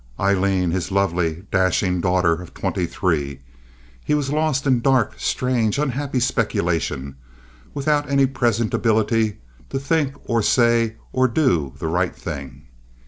Aileen, his lovely, dashing daughter of twenty three! He was lost in dark, strange, unhappy speculations, without any present ability to think or say or do the right thing.